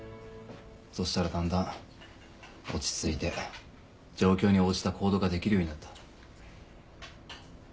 そしたらだんだん落ち着いて状況に応じた行動ができるようになった。